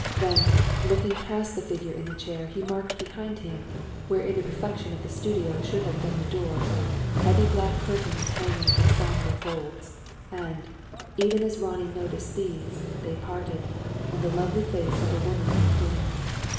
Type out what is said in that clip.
Then, looking past the figure in the chair, he marked behind him, where in the reflection of the studio should have been the door, heavy black curtains hanging in sombre folds. And, even as Ronnie noticed these, they parted; and the lovely face of a woman looked in.